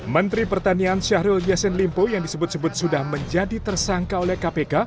menteri pertanian syahrul yassin limpo yang disebut sebut sudah menjadi tersangka oleh kpk